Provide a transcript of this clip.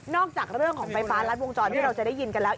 จากเรื่องของไฟฟ้ารัดวงจรที่เราจะได้ยินกันแล้ว